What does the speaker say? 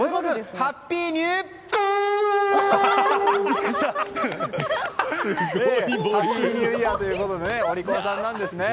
ハッピーニューイヤーということでお利口さんなんですね。